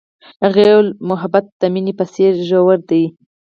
هغې وویل محبت یې د مینه په څېر ژور دی.